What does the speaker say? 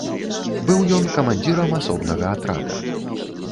Быў ён камандзірам асобнага атрада.